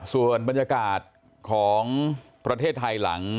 ส่วนบรรยากาศของประเทศไทยหลัง